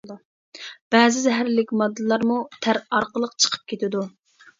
بەزى زەھەرلىك ماددىلارمۇ تەر ئارقىلىق چىقىپ كېتىدۇ.